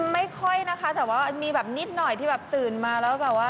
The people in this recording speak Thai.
ไม่ค่อยนะคะแต่ว่ามีแบบนิดหน่อยที่แบบตื่นมาแล้วแบบว่า